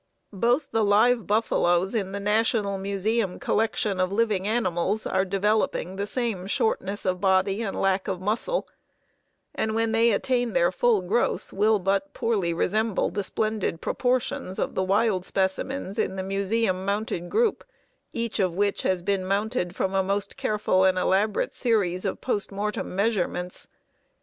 Both the live buffaloes in the National Museum collection of living animals are developing the same shortness of body and lack of muscle, and when they attain their full growth will but poorly resemble the splendid proportions of the wild specimens in the Museum mounted group, each of which has been mounted from a most careful and elaborate series of post mortem measurements.